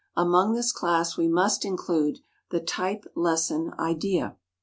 Among this class we must include the "type lesson" idea.